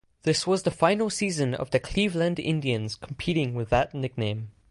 This was the final season of the Cleveland Indians competing with that nickname.